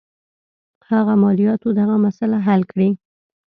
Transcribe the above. هغه مالیاتو دغه مسله حل کړي.